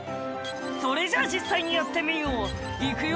「それじゃ実際にやってみよういくよ」